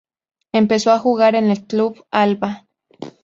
Empezó a jugar en el Club Alba.